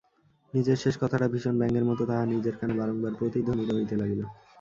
নিজের শেষ কথাটা ভীষণ ব্যঙ্গের মতো তাহার নিজের কানে বারংবার প্রতিধ্বনিত হইতে লাগিল।